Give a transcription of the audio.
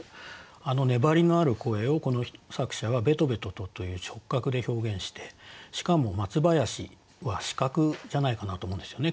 あの粘りのある声をこの作者は「べとべとと」という触覚で表現してしかも「松林」は視覚じゃないかなと思うんですよね。